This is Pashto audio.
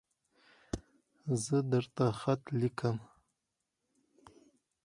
زه درته خط لیکم